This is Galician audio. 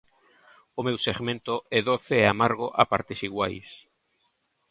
O meu segmento é doce e amargo a partes iguais.